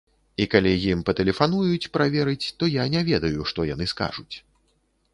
І калі ім патэлефануюць праверыць, то я не ведаю, што яны скажуць.